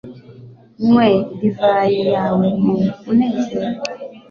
nywe divayi yawe mu munezero